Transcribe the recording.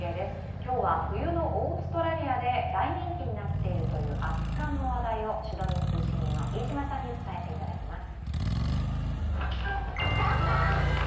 今日は冬のオーストラリアで大人気になっているという熱かんの話題をシドニー通信員の飯島さんに伝えてもらいます。